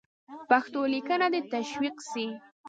پښتو لیکنه دې تشویق سي.